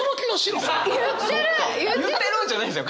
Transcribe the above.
「言ってる！」じゃないんですよ！